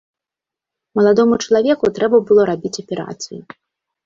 Маладому чалавеку трэба было рабіць аперацыю.